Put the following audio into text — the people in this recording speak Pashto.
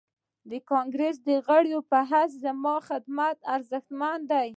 د کانګريس د غړي په حيث زما خدمت ارزښتمن دی.